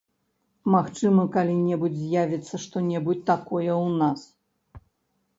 Магчыма, калі-небудзь з'явіцца што-небудзь такое ў нас.